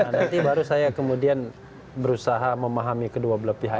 nanti baru saya kemudian berusaha memahami kedua belah pihak